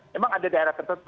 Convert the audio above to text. memang ada daerah tertentu